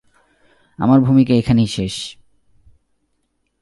আমার ভূমিকা এখানেই শেষ!